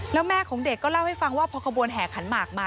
แล้วแม่ของเด็กก็เล่าให้ฟังว่าพอขบวนแห่ขันหมากมา